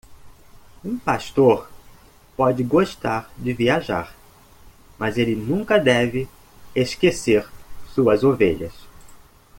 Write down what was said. Um pastor pode gostar de viajar?, mas ele nunca deve esquecer suas ovelhas.